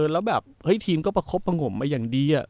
แล้วแบบทีมก็ประคบพังห่มมาอย่างดี